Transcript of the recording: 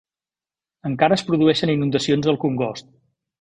Encara es produeixen inundacions al congost.